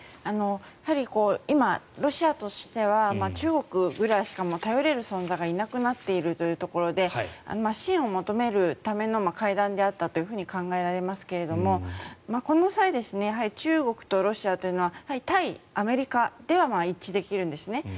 やはり今、ロシアとしては中国ぐらいしか頼れる存在がいなくなっているということで支援を求めるための会談であったと考えられますけれどもこの際、中国とロシアというのは対アメリカでは一致できるんですね。